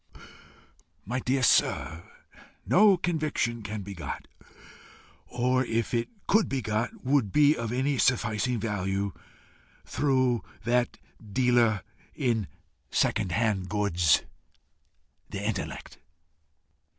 My dear sir, no conviction can be got, or if it could be got, would be of any sufficing value, through that dealer in second hand goods, the intellect.